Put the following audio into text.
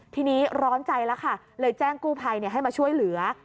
ทีนี้ร้อนใจแล้วค่ะเลยแจ้งกู้ภัยให้มาช่วยเหลือ